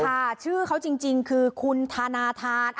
ค่ะชื่อเขาจริงคือคุณธนาธาน